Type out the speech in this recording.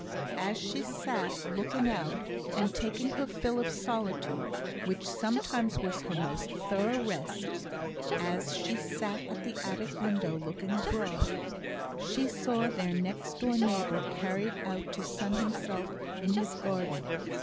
As she sat looking out, and taking her fill of solitude, which sometimes was her most thorough rest as she sat at the attic window looking abroad she saw their next door neighbour carried out to sun himself in his garden.